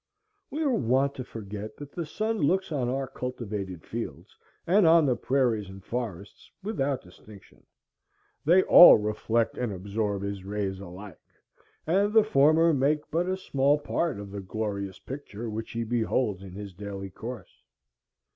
We are wont to forget that the sun looks on our cultivated fields and on the prairies and forests without distinction. They all reflect and absorb his rays alike, and the former make but a small part of the glorious picture which he beholds in his daily course.